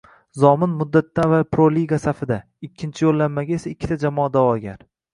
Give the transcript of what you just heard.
«Zomin» muddatidan avval Pro-liga safida, ikkinchi yo‘llanmaga esa ikkita jamoa da’vogar